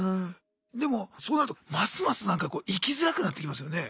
でもそうなるとますますなんかこう生きづらくなってきますよね？